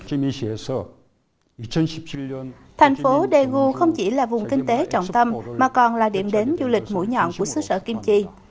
thành phố daegu không chỉ là vùng kinh tế trọng tâm mà còn là điểm đến du lịch mũi nhọn của xứ sở kim chi